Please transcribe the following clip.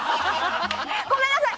ごめんなさい！